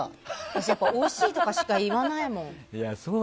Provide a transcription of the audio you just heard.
私、おいしいとかしか言えないもん。